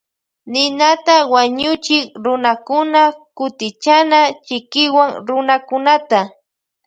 Ninata wañuchik runakuna kutichana chikiwan runakunata.